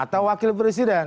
atau wakil presiden